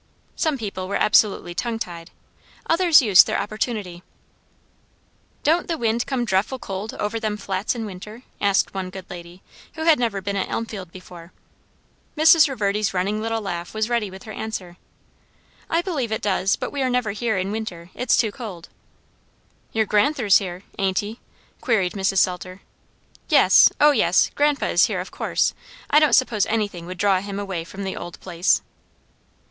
Some people were absolutely tongue tied; others used their opportunity. "Don't the wind come drefful cold over them flats in winter?" asked one good lady who had never been at Elmfield before. Mrs. Reverdy's running little laugh was ready with her answer. "I believe it does; but we are never here in winter. It's too cold." "Your gran'ther's here, ain't he?" queried Mrs. Salter. "Yes, O yes; grandpa is here, of course. I don't suppose anything would draw him away from the old place."